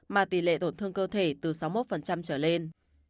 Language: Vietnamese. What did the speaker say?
mà tỷ lệ tổn thương cơ thể từ sáu mươi một trở lên